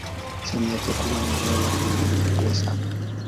Sehemu yake kubwa ni eneo la milima mikubwa sana.